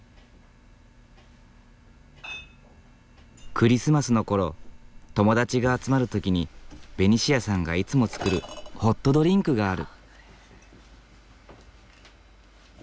クリスマスの頃友達が集まる時にベニシアさんがいつも作るホットドリンクがある。